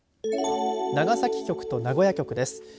長崎局と名古屋局です。